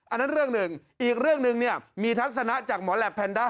อันนั้นเรื่องหนึ่งอีกเรื่องหนึ่งเนี่ยมีทัศนะจากหมอแหลปแพนด้า